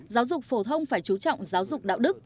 đồng thông phải chú trọng giáo dục đạo đức